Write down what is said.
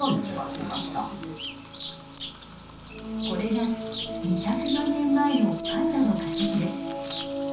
これが２００万年前のパンダの化石です。